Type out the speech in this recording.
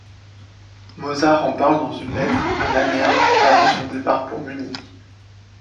Mozart en parle dans une lettre à Nannerl, avant son départ pour Munich.